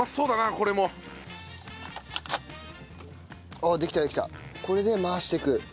これで回していく。